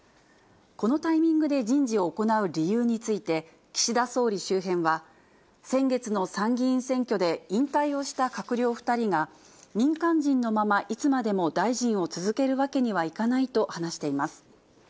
このタイミングで人事を行う理由について、岸田総理周辺は、先月の参議院選挙で引退をした閣僚２人が、民間人のまま、いつまでも大臣を続けるわけにはいかないと話しています。